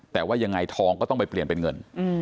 แต่ว่ายังไงทองก็ต้องไปเปลี่ยนเป็นเงิน